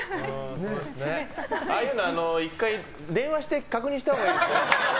ああいうの１回電話して確認したほうがいいですよ。